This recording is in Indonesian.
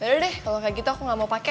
yaudah deh kalo kaya gitu aku gak mau pake